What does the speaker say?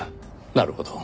なるほど。